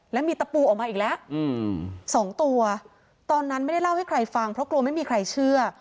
แล้วมีตะปูออกมาอีกแล้วสองตัวตอนนั้นไม่ได้เล่าให้ใครฟังเพราะกลัวไม่มีใครเชื่อ